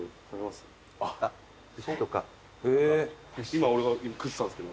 今俺が食ってたんですけど。